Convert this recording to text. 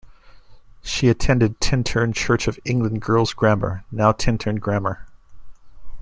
She attended Tintern Church of England Girls' Grammar, now Tintern Grammar.